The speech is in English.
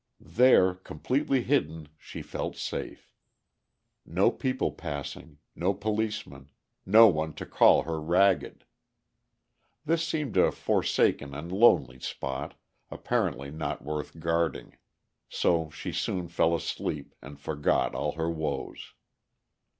There, completely hidden, she felt safe. No people passing, no policemen, no one to call her ragged. This seemed a forsaken and lonely spot, apparently not worth guarding. So she soon fell asleep and forgot all her woes.